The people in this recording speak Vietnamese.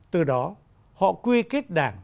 từ đó họ quy kết đảng